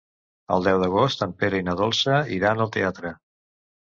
El deu d'agost en Pere i na Dolça iran al teatre.